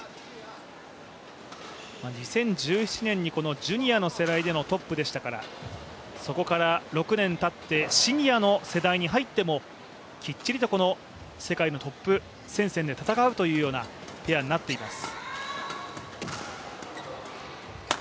２０１７年にジュニアの世代でのトップでしたからそこから６年たってシニアの世代に入ってもきっちりと、世界のトップ戦線で戦えるというペアになっています。